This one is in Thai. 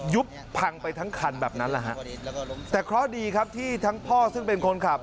ยุบพังไปทั้งคันแบบนั้นแหละฮะแต่เคราะห์ดีครับที่ทั้งพ่อซึ่งเป็นคนขับ